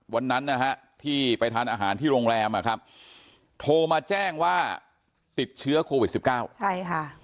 วันนั้นนะฮะที่ไปทานอาหารที่โรงแรมอ่ะครับโทรมาแจ้งว่าติดเชื้อโควิดสิบเก้าใช่ค่ะ